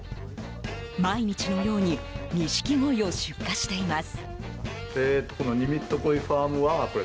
毎日のようにニシキゴイを出荷しています。